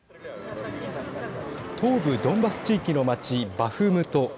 東部ドンバス地域の町バフムト。